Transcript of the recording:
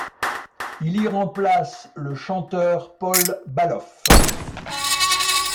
Il y remplace le chanteur Paul Baloff.